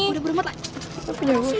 udah berumut lah